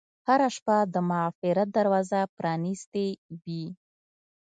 هره شپه د مغفرت دروازه پرانستې وي.